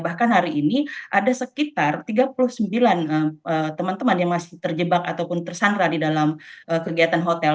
bahkan hari ini ada sekitar tiga puluh sembilan teman teman yang masih terjebak ataupun tersandra di dalam kegiatan hotel